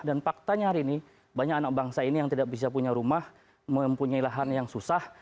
dan faktanya hari ini banyak anak bangsa ini yang tidak bisa punya rumah mempunyai lahan yang susah